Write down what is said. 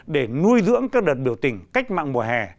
để nuôi dưỡng các đợt biểu tình cách mạng mùa hè